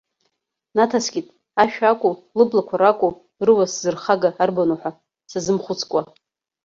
Наҭаскит, ашәа акәу, лыблақәа ракәу рыуа сзырхага арбану ҳәа сазымхәыцкәа.